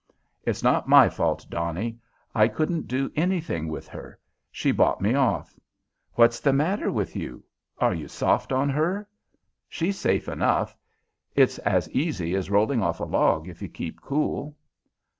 "It's not my fault, Donnie. I couldn't do anything with her. She bought me off. What's the matter with you? Are you soft on her? She's safe enough. It's as easy as rolling off a log, if you keep cool."